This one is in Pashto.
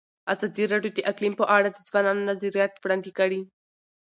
ازادي راډیو د اقلیم په اړه د ځوانانو نظریات وړاندې کړي.